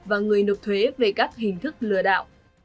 và người nộp thuế về các hình thức lừa đảo